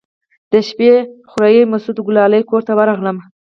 د شپې خوريي مسعود ګلالي کور ته ورغلم.